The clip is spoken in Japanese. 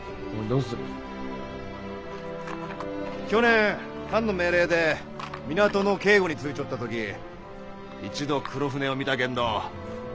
去年藩の命令で港の警護についちょった時一度黒船を見たけんど。